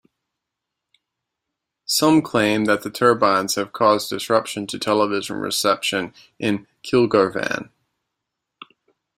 Some claim that the turbines have caused disruption to television reception in Kilgarvan.